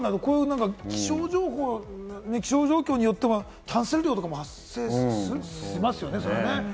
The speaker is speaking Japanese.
直前になると、気象状況によってもキャンセル料も発生しますよね。